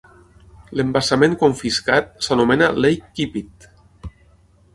L'embassament confiscat s'anomena Lake Keepit.